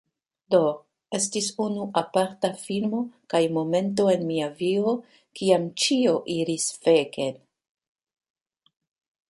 Do, estis unu aparta filmo kaj momento en mia vivo kiam ĉio iris feken